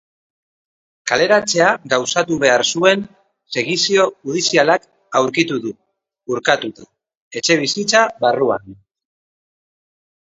Kaleratzea gauzatu behar zuen segizio judizialak aurkitu du, urkatuta, etxebizitza barruan.